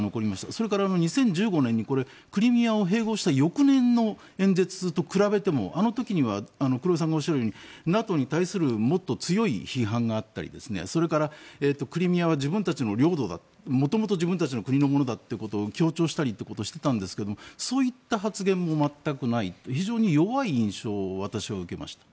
それから、２０１５年にクリミアを併合した翌年の演説と比べてもあの時には黒井さんがおっしゃるようにＮＡＴＯに対するもっと強い批判があったりそれからクリミアは自分たちの領土だ元々自分たちの国のものだと強調したりということをしていたんですがそういった発言も全くないという非常に弱い印象を私は受けました。